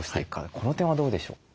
この点はどうでしょう？